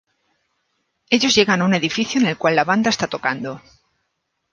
Ellos llegan a un edificio en el cual la banda está tocando.